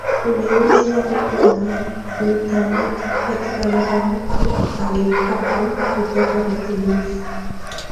wa kugeuza umbo la glutamati katika Mara mtu ageukapo kutoka matumizi